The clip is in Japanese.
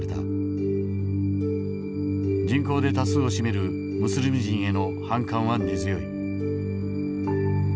人口で多数を占めるムスリム人への反感は根強い。